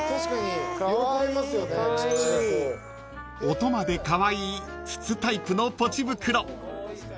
［音までカワイイ筒タイプのポチ袋］